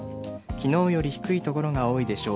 昨日より低い所が多いでしょう。